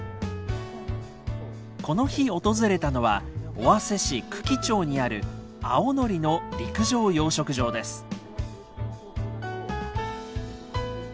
この日訪れたのは尾鷲市九鬼町にあるあおのりの陸上養殖場です。